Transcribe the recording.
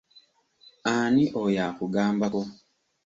Ani oyo akugambako?